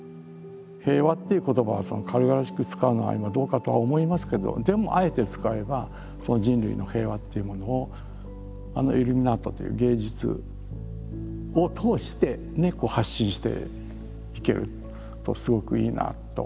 「平和」っていう言葉を軽々しく使うのは今どうかとは思いますけどでもあえて使えば人類の平和っていうものをあのイルミナートという芸術を通して発信していけるとすごくいいなと。